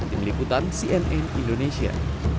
diberikutan cnn indonesia